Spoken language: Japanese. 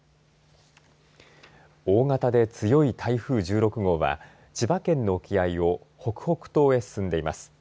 大型で強い台風１６号は千葉県の沖合を北北東へ進んでいます。